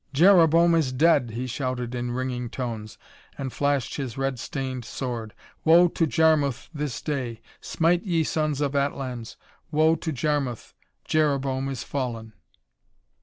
"Jereboam is dead!" he shouted in ringing tones, and flashed his red stained sword. "Woe to Jarmuth this day! Smite, ye sons of Atlans. Woe to Jarmuth Jereboam is fallen!"